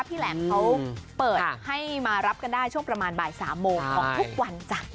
แหลมเขาเปิดให้มารับกันได้ช่วงประมาณบ่าย๓โมงของทุกวันจันทร์